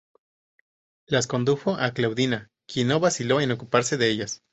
Las condujo a Claudina quien no vaciló en ocuparse de ellas.